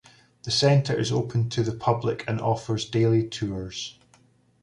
The Center is open to the public and offers daily tours.